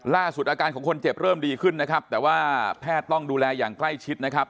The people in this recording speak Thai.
อาการของคนเจ็บเริ่มดีขึ้นนะครับแต่ว่าแพทย์ต้องดูแลอย่างใกล้ชิดนะครับ